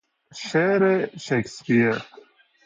شعر شکسپیر